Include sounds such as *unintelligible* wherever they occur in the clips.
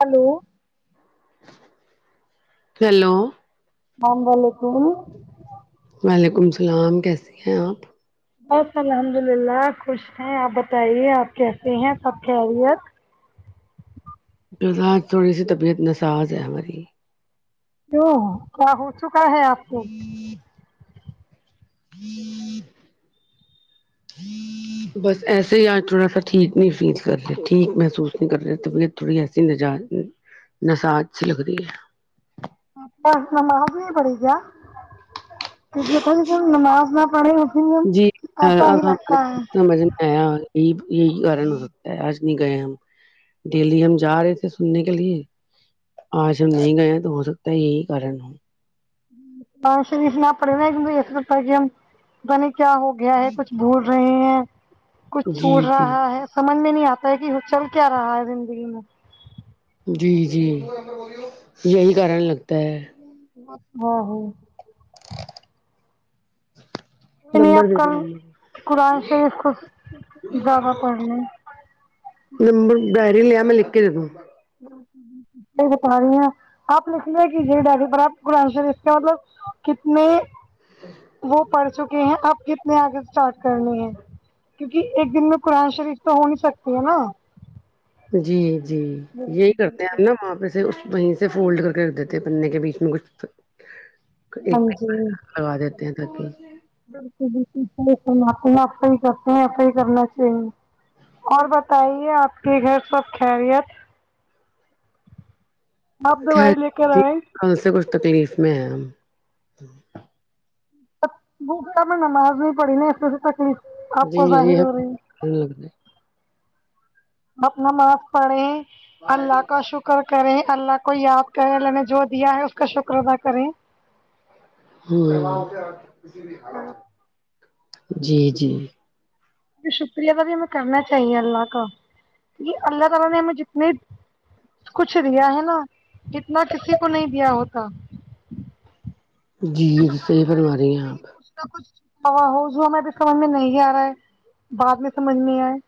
hello hello سلام و علیکم وعلیکم السلام کیسی ہیں آپ بس الحمد للہ خوش ہیں آپ بتائیے آپ کیسے ہیں سب خیریت مزاس تھوڑی سی طبیعت ناساز ہے ہماری کیوں کیا ہو چکا ہے آپ کو ہوں ہوں بس ایسے ہی آج تھوڑا سا ٹھیک نہیں فیل کر رہے ٹھیک محسوس نہیں کر رہے طبیعت تھوڑی ایسی مزاج نساس سی لگتی ہے اچھا نماز نہیں پڑھی کیا کیونکی نماز نہ پڑھے ہو جی اب ہم *unintelligible* اں یہی یہی کارن ہو سکتا ہے آج نہیں گئے ہم ڈیلی ہم جا رہے تھے سننے کے لیے آج ہم نہیں گئے ہیں تو ہو سکتا ہے یہی کارن ہے *unintelligible* کیا ہو گیا ہے کچھ بھول رہے ہیں کچھ جی چھوڑ جی رہا ہے سمجھ میں نہیں آتا ہے کی یے چل کیا رہا ہے زندگی میں جی جی یہی کارن لگتا ہے ہاں *unintelligible* ہ نہیں نمبر آپ دے *unintelligible* د کل ممیمی قرآن شریف کچھ کو زیادہ پڑھ لیں نمبر ڈائری لیا میں لکھ کے دے دوں یہ بتا رہی ہے اپ آپ لکھ ل کہ جی ڈڈی پر آپ کو *unintelligible* وہ پڑھ چکے ہیں اب کتنے آگے اسٹارٹ کرنی ہے کیونکی ایک دن میں قرآن شریف تو ہو نہیں سکتی ہے نا جی جی یہی بالکل کرتے ہیں بالکل ہم نا وہاں پے اس وہیں سے فولڈ کر کے رکھ دیتے پنے کے بیچ میں کچھ ہاں جی *unintelligible* لگا دیتے ہیں بالکل بالکل صحیح فرما رہے ہیں ایسا ہی کرتے ہے ایسا ہی کرنا چاہیے اور بتائیے آپ کے گھر سب خیریت آپ دوائی خیر لے کے جی رہے کل سے کچھ تکلیف میں ہے ہم بٹا میں نماز نہیں پڑھی نا اسس سے تکلیف آپ جی کو جی ظاہر ہے ہو رہی لگ اپ نماز پڑھے ہیں اللہ کا شکر شکر کریں اللہ کو یاد کرے اللہ نے جو دیا ہے اس کا شکر ادا کریں ہمم جی جی جی شکریہ میں کرنا چاہیے اللہ کا یہ اللہ تعالی نے ہمیں جتنے کچھ دیا ہے نا اتنا کسی کو نہیں دیا ہوتا جی صحیح فرما رہی ہیں آپ کچھ کچھ ہو جا میں تو سمجھ میں نہیں آ رہا ہے بعد میں سمجھ میں آئے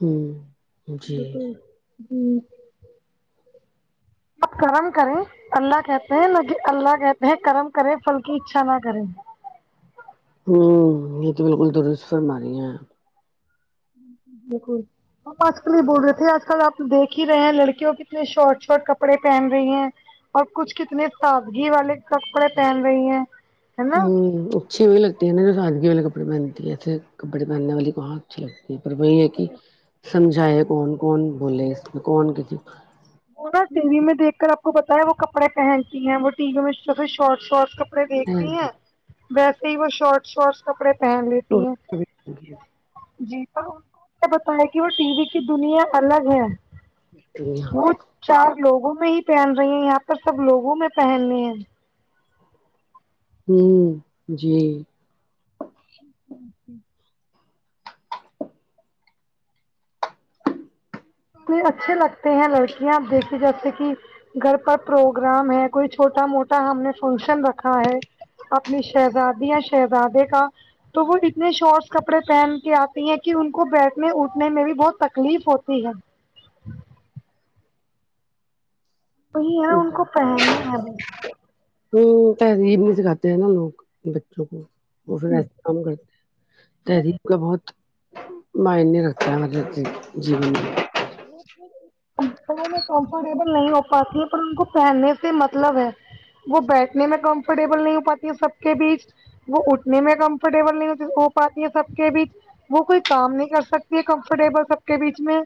ہوں جی بالکل ہو اب کرم کریں اللہ کہتے ہیں نہ کہ اللہ کہتے ہیں کرم کرے پھل کی اچھا نہ کریں یہ تو بالکل درست فرما رہی ہیں بالکل ہم آج کل یہ بول رہے تھے آج کل آپ دیکھ ہی رہے ہیں لڑکیوں کتنے شارٹ شارٹ کپڑے پہن رہی ہیں اور کچھ کتنے تازگی والے کپڑے پہن رہی ہیں ہے نا ہوں اچھی وہی لگتی ہے نا جو سادگی والے کپڑے پہنتی ہے ای تھے کپڑے پہننے والی کواں اچھی لگتی ہیں پر وہی ہے کہ سمجھائے کون کون بولے اس میں کون ک وہ نا ٹی وی میں دیکھ کر آپ کو پتا ہے وہ کپڑے پہنتی ہیں وہ ٹی وی میں شارٹ شٹ کپ ڑے رہنے دیکھتی ہیں ویسے ہی وہ شارٹس شارٹس کپڑے پہن دو لیتی ہیں جی نے بتایا کہ وہ ٹی وی کی دنیا الگ ہے یہاں وہ پ چار لوگوں میں ہی پہن رہی ہیں یہاں پر سب لوگوں میں پہننے ہیں ہوں جی *unintelligible* جھے میں اچھے لگتے ہے لڑکیا دیکھے جیسے کی گھر پر پروگرام ہے کوئی چھوٹا موٹا ہم نے فنکشن رکھا ہے اپنی شہزادی یا شہزادے کا تو وہ اتنے شارٹس کپڑے پہن کے آتی ہیں کہ ان کو بیٹھنے اٹھنے میں بھی بہت تکلیف ہوتی ہے وہی ہے انکو پہن نے والی ہوں تہذیب نہیں سکھاتے ہیں نا لوگ بچوں کو وہ پھر ایسا ہے کام کرتے ہیں تہذیب کا بہت میئینے رکھتا ہے مطلب کے جی *unintelligible* گھٹنو میں کمفرٹیبل نہیں ہو پتی پر انکو پہن نے سے مطلب ہے وہ بیٹھنے میں کمفرٹیبل نہیں ہو پاتی ہے سب کے بیچ وہ اٹھنے میں کمفرٹیبل نہیں ہو پاتی ہے سب کے بیچ وہ کوئی کام نہیں کر سکتی ہے کمفرٹیبل سب کے بیچ میں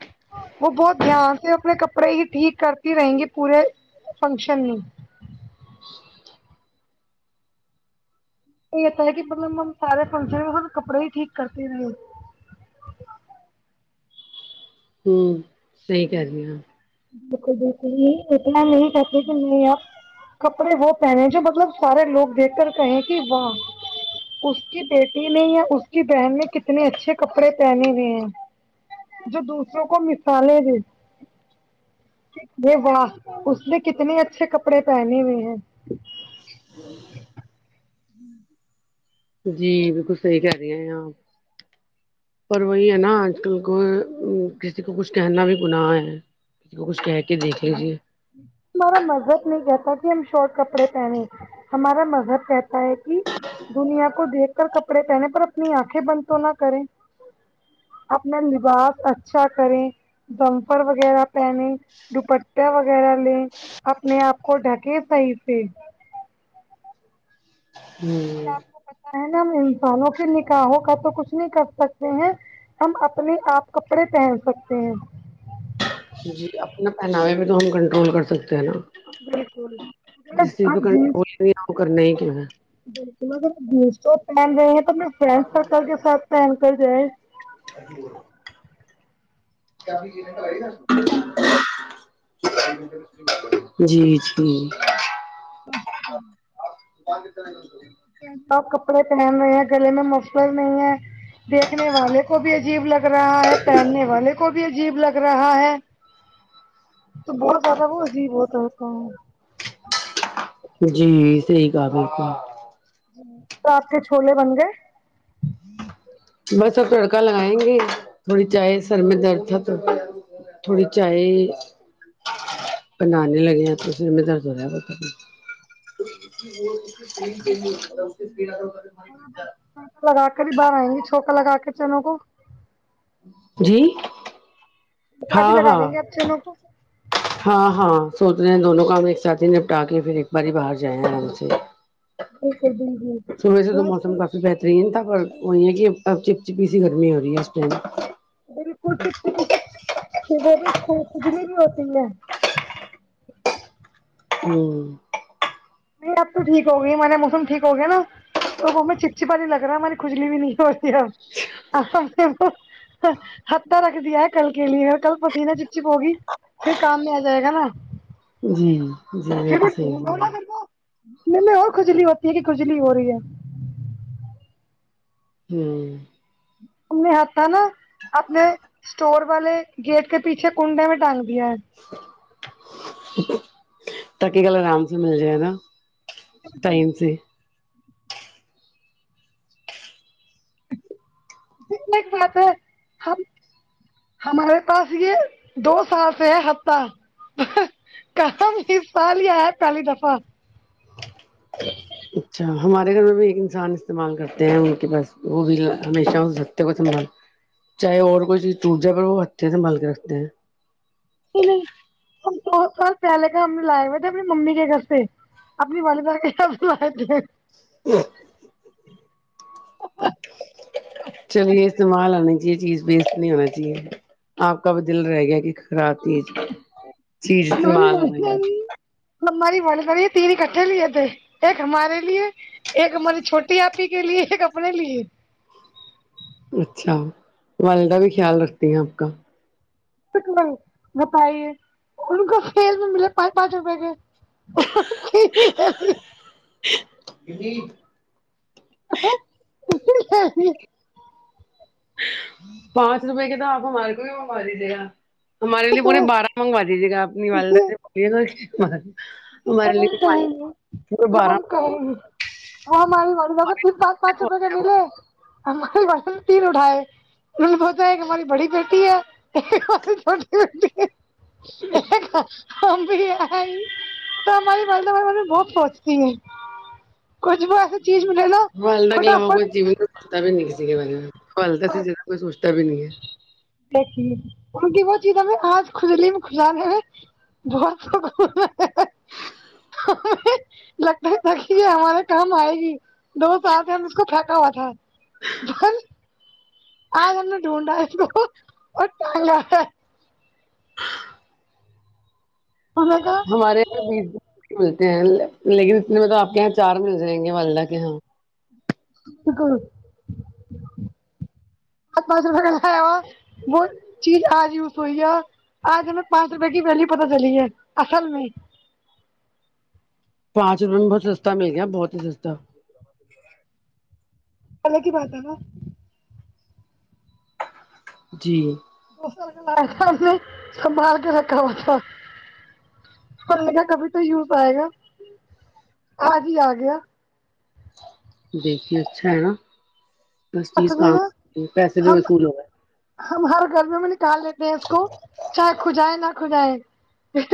وہ بہت دھیان سے اپنے کپڑے ہی ٹھیک کرتی رہیں گی پورے فنکشن میں تو یعے تے ہے کی مطلب ہم سار فنکشن میں س کپڑے ہی ٹھیک کرتے رہے ہیں ہو صحیح کہ رہی ہے بالکل بالکل نہیں اتنا نہیں پ تو میں کپڑے وہ پہنے جو مطلب سارے لوگ دیکھ کر کہیں کہ واہ اس کی بیٹی نے یا اس کی بہن نے کتنے اچھے کپڑے پہنے ہوئے ہیں جو دوسروں کو مثالے دے یہ واہ اس نے کتنے اچھے کپڑے پہنے ہوئے ہیں جی بالکل صحی کر رہی آپ پر وہی ہے نا آج کل کو کسی کو کچھ کہنا بھی گناہ ہے کو کچھ کہہ کے دیکھ لیتے ہے ہمارا مذہب نہیں کہتا کہ ہم شارٹ کپڑے پہنے ہمارا مذہب کہتا ہے کہ دنیا کو دیکھ کر کپڑے پہنے پر اپنی آنکھیں بند تو نہ کریں اپنا لباس اچھا کرے جمفر وغیرہ پہنے دوپٹیا وغیرہ لے اپنے آپ کو ڈھکے صحیح سے ہوں آپ کو پتا ہے نا ہم انسانوں کے نکاحوں کا تو کچھ نہیں کر سکتے ہیں ہم اپنے آپ کپڑے پہن سکتے ہیں جی اپنا پہناوے بھی تو ہم کنٹرول کر سکتے ہیں نا بالکل اگر جس میں کنٹرول ھی نہ وو کرنا ھی کیا مگر دوست لوگ پھن رہے ہے تو اپنے فرینڈز سرکل کے ساتھ پھن کر جاۓ کیا یہ گر پیے گا جی جی س بے اپ کپڑے پہن رہے ہیں گلے میں مفلر نہیں ہے دیکھنے والے کو بھی عجیب لگ رہا ہے پہننے والے کو بھی بھی عجیب لگ رہا ہے تو بہت زیادہ وہ عجیب ہوتاتا جی صحی کا تو آپ کے چھولے بن گئے بس اپ تڑکا لگائیں گے تھوڑی چائے سر میں درد تھا تو تھوڑی چائے پن نان نہیں لگیا تو میں درس رہیا ب تو پکا لگا کر ہی باہر آئیں گی چھوکا لگا کے چینوں کو جی کا بھی ہاں لگا ہاں دیں گے آپ چینوں کو ہاں ہاں سوچ رہے ہیں دونوں کام ایک ساتھ ہی نپٹا کے پھر ایک بار باہر جائے ہیں آ سے بلکل بلکل جی ٹرین تھا پر وہ ہے کہ اب چپ چپی سی گرمی ہو رہی ہے اس ٹائم بالکل چپ چپی چیزوں کھو کھجلی بھی ہوتی ہے ہوں نہیں اب تو ٹھیک ہوگئی میںنے موسم ٹھیک ہو گیا نا تو وہ میں چپ چپا نہیں لگ رہا ہماری کھجلی بھی نہیں ہوتی اب حتتا رکھ دیا ہے کل کے لیے کل پسیینہ چپ چپ ہوگی پھر کام میں آ جائے گا نا جی جی یہ بھی صہح ہے م میں اور کھجلی ہوتی ہے کہ کھجلی ہو رہی ہے ہوں ا نے ہات تھا نا آپ نے اسٹور والے گیٹ کے پیچھے کنڈے میں ڈال دیا ہے تقی کل آرام سے مل جائے نا ٹائم سے مت ہم ہمارے پاس یہ دو سال سے ہے ہفتہ کہم سال ہی آ ہے پہلی دفعہ اچھا ہمارے گھر میں بھی ایک انسان استعمال کرتے ہیں ان کے بس وہ بھی ہمیشہ اس ہطتے کو سنبھال چاہے اور کوئی چیزٹوٹ جائے پر وہ اچھے سے مل کے رکھتے ہیں نہیں نہیں ہم دو سال پہلے کا ہم نے لائے ہوئے تھے اپنی ممی کے گھر سے آپنی والے ط ب ہ چلیے استعمال آنی چاہیے چیز ویسٹ نہیں ہونا چاہیے آپ کا بھی دل رہ گیا کہ راتی چیز ہماری استعمال ہو گئی والدہ نے ہماری والی یہ تین کٹھے لیے تھے ایک ہمارے لیے ایک ہماری چھوٹی آپی کے لیے ایک اپنے لیے اچھا والدہ بھی خیال رکھتی ہیں آپ کا ک نہیں بتائیے ان کو کھیل میں ملے پانچ پانچ روپئے کے *unintelligible* ج اس پانچ روپئے کے تو آپ ہمارے کو بھی منگوا دیجیے گا ہمارے لیے پورے بارہ منگوا دیجیے گا آ اپنی والدہ سے ب گ ہمارے لیے اب بارہ ہم کہیں گے وہ ہماری والدہ تین پانچ پانچ روپے کا ملے ہماری والدہ تین اٹھائے ان نے بتا ہے ایک ہماری بڑی بیٹی ہے ایک ہماری چھوٹی بیٹی ہے ہم بھی ہے تو ہماری والدہ ہمارے بارے میں بہت سوچتی ہے کچھ بھی ایسے چیز ملے نہ والدہ کے علاوہ فٹافٹ کوئی جیون میں سوچتا بھی نہیں بارے میں پلتا ج کوئی سوچتا بھی نہیں ہے کیونکہ وہ چیز ہم آج خزلی میں خشحال ہے بہت لگتا تھا کہ یہ ہمارے کام آئے گی دو سال سے ہم اس کو پھیکا ہوا تھا اج ہم نے ڈھونڈا ہے اس کو ہم نے ہمارے یہاں بیس ملتے ہیں لیکن اتنے مطلب آپ کے یہاں چار مل جائیں گے والدہ کے یہاں سکون آ پ روپیا ہوا وہ چیز آج یوز ہوئی ہے آج ہمیں پانچ روپے کی ویلیو پتتا چلی ہے اصل میں پانچ روپے میں بہت سستا مل گیا بہت ہی سستا الگ ہی بات ہے نہ جی دوسر ک ل تھا اس نے سنبال کے رکھا ہو تھا کرنے کا کبھی تو یوز آائے گا آ ج ہی آ گیا دیکھیے اچھا ہے نا بس چیز اصل میں کام نا پیسے تو ہم وصول ہوا ہم ہر گرمی میں نکال لیتے ہیں اس کو چاہے کھجائے نہ کھجائے اس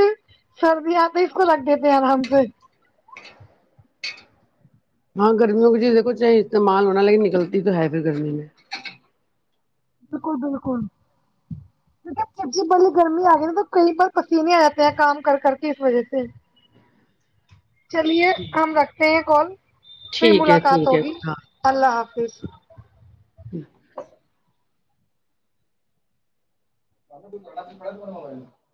سردی آتی اس کو رکھ دیتے ہیں آرام سے ہاں گرمیوں کی چیز دیکھو چاہے استعمال ہونا لیکن نکلتی تو ہے پھر گرمی میں بالکل بالکل بی گرمی آ گئی نا تو کئی بار پسینے آاتے ہیں کام کر کر کے اس وجہ سے چلیے ہم رکھتے ہیں کال پھر ٹھیک ہے ملاقات ٹھیک ہے ہوگی ہاں اللہ حافظ *unintelligible*